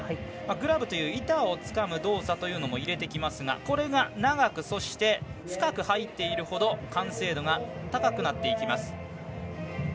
グラブという板をつかむ動作というのも入れてきますがこれが長くそして深く入っているほど完成度が高くなっていきます。